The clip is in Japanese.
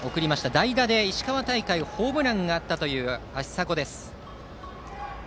代打で石川大会ホームランがあったという芦硲。